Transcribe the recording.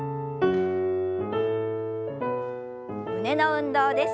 胸の運動です。